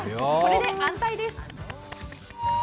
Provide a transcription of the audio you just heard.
これで安泰です。